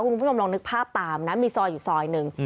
คุณผู้ชมลองนึกภาพตามนะมีซอยอยู่ซอยหนึ่ง